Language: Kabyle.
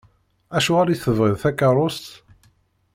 Acuɣer i tebɣiḍ takerrust?